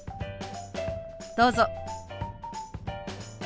どうぞ。